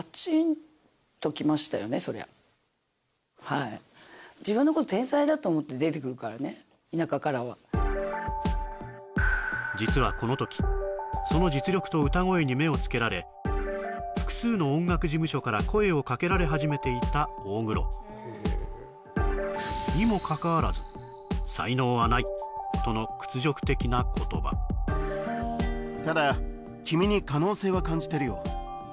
そりゃはい自分のこと実はこの時その実力と歌声に目をつけられ複数の音楽事務所から声をかけられはじめていた大黒にもかかわらず「才能はない」との屈辱的な言葉ただ君に可能性は感じてるよ